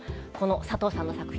佐藤さんの作品